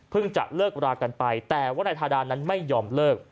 จะเลิกรากันไปแต่ว่านายทาดานั้นไม่ยอมเลิก